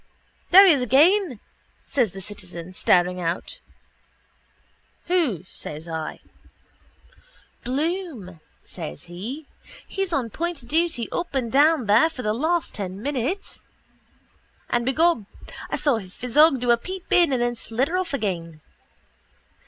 —There he is again, says the citizen, staring out. —Who? says I. —Bloom, says he. He's on point duty up and down there for the last ten minutes. And, begob, I saw his physog do a peep in and then slidder off again.